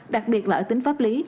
đặc biệt là ở tính pháp lý